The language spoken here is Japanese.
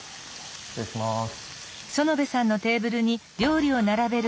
失礼します。